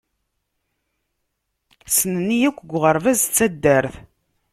Ssnen-iyi akk deg uɣerbaz d taddart.